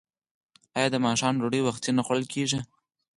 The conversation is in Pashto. آیا د ماښام ډوډۍ وختي نه خوړل کیږي؟